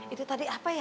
itu tadi apa ya